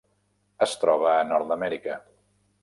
Es troba a Nord-amèrica.